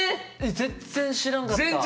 全然知らんかった。